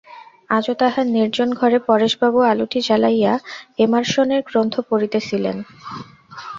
আজও তাঁহার নির্জন ঘরে পরেশবাবু আলোটি জ্বালাইয়া এমার্সনের গ্রন্থ পড়িতেছিলেন।